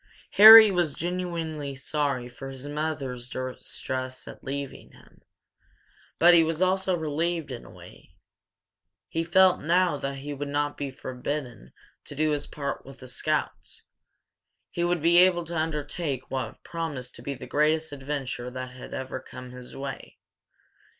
Harry was genuinely sorry for his mother's distress at leaving him, but he was also relieved, in a way. He felt now he would not be forbidden to do his part with the scouts. He would be able to undertake what promised to be the greatest adventure that had ever come his way.